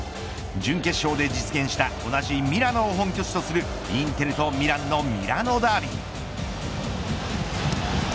準決勝で実現した同じミラノを本拠地とするインテルとミランのミラノダービー。